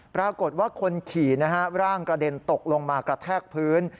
ปรากฏว่าคนขี่นะฮะร่างกระเด็นตกลงมากระแทกพื้น